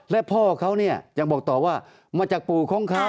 และพ่อเขาเนี่ยยังบอกต่อว่ามาจากปู่ของเขา